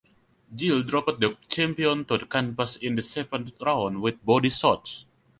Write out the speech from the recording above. Gill dropped the champion to the canvas in the seventh round with body shots.